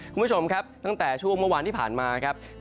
คุณผู้ชมครับตั้งแต่ช่วงเมื่อวานที่ผ่านมาครับ